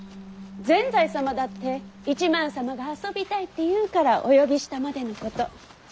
善哉様だって一幡様が遊びたいって言うからお呼びしたまでのこと。